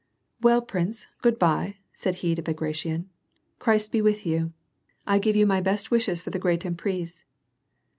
"Well, prince, good by," said he to Bagration! "Christ be with you ! I give you my best wishes for the great emprise."